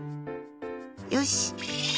よし！